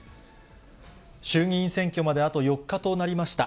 衆議院選挙まであと４日となりました。